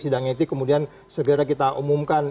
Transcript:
sidang etik kemudian segera kita umumkan